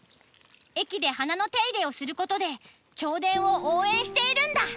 駅で花の手入れをすることで銚電を応援しているんだ。